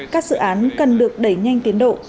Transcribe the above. các sự án cần được đẩy nhanh tiến độ